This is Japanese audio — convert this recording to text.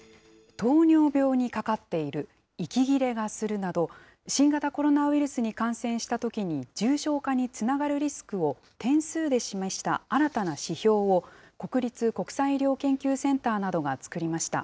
糖尿病にかかっている、息切れがするなど、新型コロナウイルスに感染したときに重症化につながるリスクを点数で示した新たな指標を、国立国際医療研究センターなどが作りました。